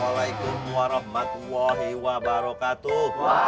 waalaikumsalam warahmatullahi wabarakatuh